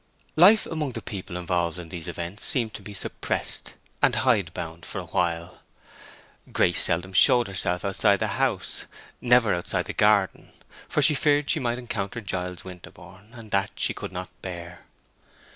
Life among the people involved in these events seemed to be suppressed and hide bound for a while. Grace seldom showed herself outside the house, never outside the garden; for she feared she might encounter Giles Winterborne; and that she could not bear.